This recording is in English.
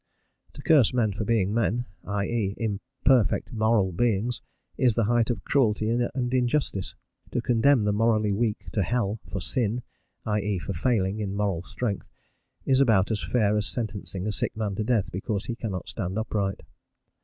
To curse men for being men, i.e., imperfect moral beings, is the height of cruelty and injustice; to condemn the morally weak to hell for sin, i.e., for failing in moral strength, is about as fair as sentencing a sick man to death because he cannot stand upright.